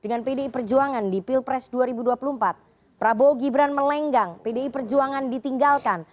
dengan pdi perjuangan di pilpres dua ribu dua puluh empat prabowo gibran melenggang pdi perjuangan ditinggalkan